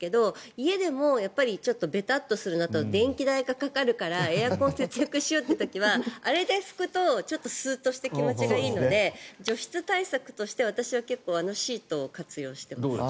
家でもちょっとべたっとするなと電気代がかかるからエアコンを節約しようと考えるとあれで拭くとちょっとスーッとして気持ちがいいので除湿対策として私は結構あのシートを活用しています。